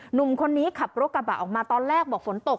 หนุ่มคนนี้ขับรถกระบะออกมาตอนแรกบอกฝนตก